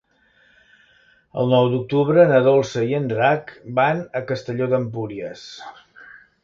El nou d'octubre na Dolça i en Drac van a Castelló d'Empúries.